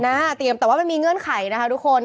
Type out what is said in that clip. เตรียมแต่ว่ามันมีเงื่อนไขนะคะทุกคน